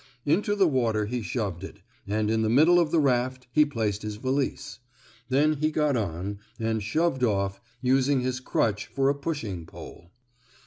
Into the water he shoved it, and in the middle of the raft he placed his valise. Then he got on, and shoved off, using his crutch for a pushing pole.